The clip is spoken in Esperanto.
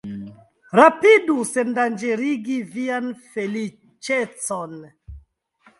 rapidu sendanĝerigi vian feliĉecon!